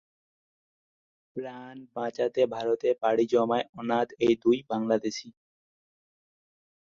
প্রাণ বাঁচাতে ভারতে পাড়ি জমায় অনাথ এই দুই বাংলাদেশি।